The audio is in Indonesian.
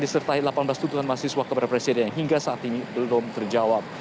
disertai delapan belas tuntutan mahasiswa kepada presiden hingga saat ini belum terjawab